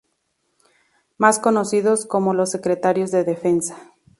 Más conocidos como "Los Secretarios de Defensa".